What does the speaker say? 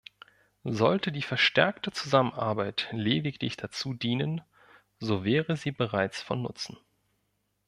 Sollte die verstärkte Zusammenarbeit lediglich dazu dienen, so wäre sie bereits von Nutzen.